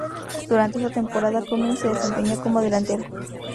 Durante esa temporada, Cummings se desempeñó como delantero.